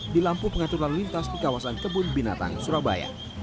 di lampu pengatur lalu lintas di kawasan kebun binatang surabaya